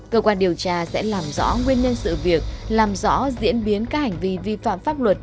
cơ quan điều tra sẽ làm rõ nguyên nhân sự việc làm rõ diễn biến các hành vi vi phạm pháp luật